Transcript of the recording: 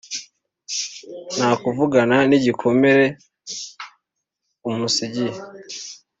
nta kuvugana nigikomere amusigiye